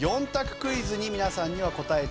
クイズに皆さんには答えて頂きます。